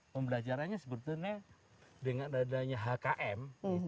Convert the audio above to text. pembelajarannya sebetulnya dengan adanya hkm